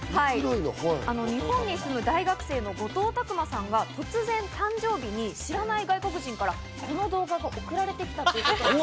日本に住む大学生の後藤拓真さんが突然、誕生日に知らない外国人から、この動画が送られてきたということなんです。